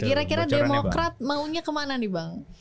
kira kira demokrat maunya kemana nih bang